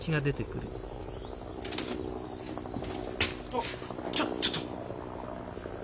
あっちょっちょっと！